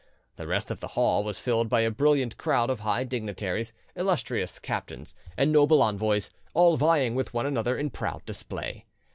The rest of the hall was filled by a brilliant crowd of high dignitaries, illustrious captains, and noble envoys, all vying with one another in proud display.